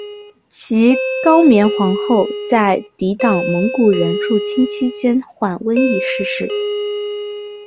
其高棉王后在抵抗蒙古人入侵期间患瘟疫逝世。